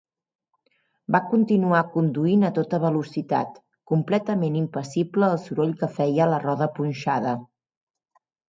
Va continuar conduint a tota velocitat, completament impassible al soroll que feia la roda punxada.